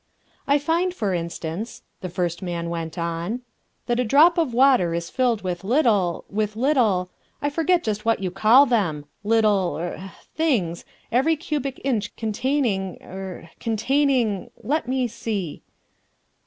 "I find, for instance," the first man went on, "that a drop of water is filled with little ... with little ... I forget just what you call them ... little er things, every cubic inch containing er containing ... let me see...."